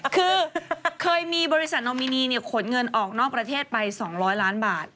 คือเคยมีบริษัทโนมินีขนเงินออกนอกประเทศไป๒๐๐ล้านบาท